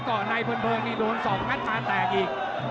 เกาะในเพลินนี่โดนศอกงัดมาแตกอีก